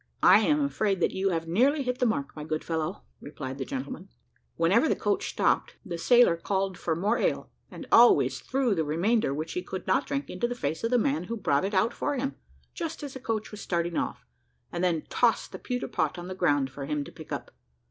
"I am afraid that you have nearly hit the mark, my good fellow," replied the gentleman. Whenever the coach stopped, the sailor called for more ale, and always threw the remainder which he could not drink into the face of the man who brought it out for him, just as the coach was starting off, and then tossed the pewter pot on the ground for him to pick up.